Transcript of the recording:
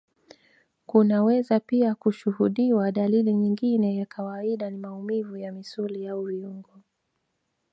kunaweza pia kushuhudiwa dalili nyingine ya kawaida ni maumivu ya misuli au viungo